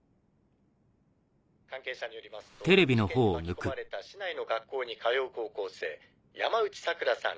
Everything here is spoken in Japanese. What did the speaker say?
関係者によりますと事件に巻き込まれた市内の学校に通う高校生山内桜良さん